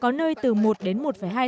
có nơi từ một đến một hai triệu đồng